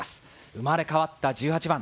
生まれ変わった１８番。